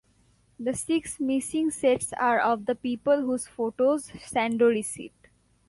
The six missing sets are of the people whose photos Sandow received.